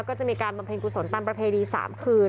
ก็จะมีการประเภนกุศลตามประเภดีสามคืน